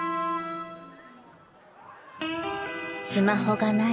［スマホがない］